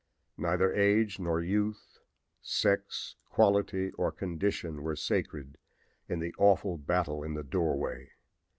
Neither age nor youth, sex, quality or condition were sacred in the awful battle in the doorway.